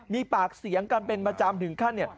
มีปากเสียงกันเป็นประจำถึงขั้นเนี่ย